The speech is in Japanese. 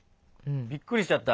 びっくりしちゃった。